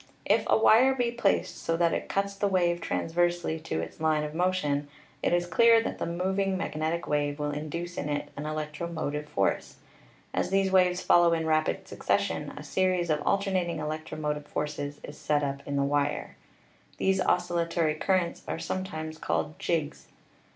If a wire be placed so that it cuts the wave transversely to its line of motion, it is clear that the mov ing magnetic wave will induce in it an electromotive force. As these waves follow in rapid succession, a series of al ternating electromotive forces is set up in the wire. These oscillatory currents are sometimes called "jigs."